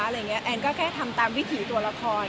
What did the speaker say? แอนก็แค่ทำตามวิถีตัวละคร